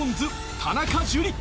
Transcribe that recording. ・田中樹。